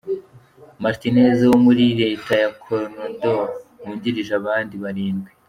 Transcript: Martinez wo muri Leta ya Colorado wungirijwe n’abandi barindwi.